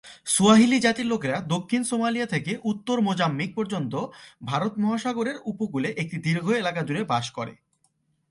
Swahili জাতির লোকেরা দক্ষিণ সোমালিয়া থেকে উত্তর মোজাম্বিক পর্যন্ত ভারত মহাসাগরের উপকূলে একটি দীর্ঘ এলাকা জুড়ে বাস করে।